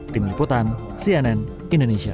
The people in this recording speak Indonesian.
tim liputan cnn indonesia